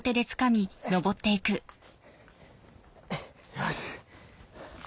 よし！